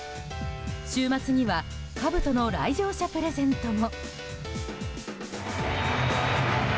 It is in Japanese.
週末にはかぶとの来場者プレゼントも。